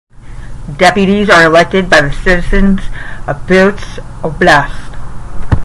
Deputies are elected by the citizens of Pskov Oblast.